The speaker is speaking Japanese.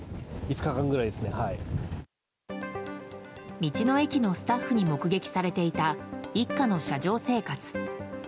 道の駅のスタッフに目撃されていた、一家の車上生活。